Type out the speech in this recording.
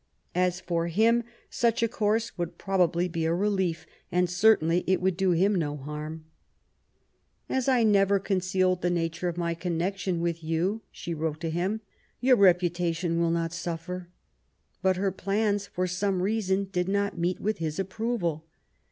As for him, such a course would probably be a relief, and certainly it would do him no harm. *^ As I never concealed the nature of my connection with you/^ she wrote to him, *^your reputation will not suflfer.^' But her plans, for some reason, did not meet with his approval.